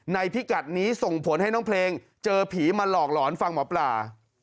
พิกัดนี้ส่งผลให้น้องเพลงเจอผีมาหลอกหลอนฟังหมอปลา